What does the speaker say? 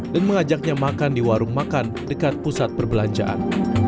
dan mengajaknya makan di warung makan dekat pusat perbelanjaan